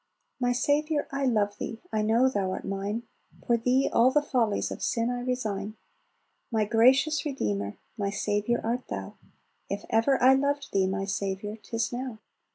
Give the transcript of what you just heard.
"My Saviour, I love Thee, I know Thou art mine! For Thee all the follies of sin I resign; My gracious Redeemer, my Saviour art Thou; If ever I loved Thee, my Saviour, 'tis now!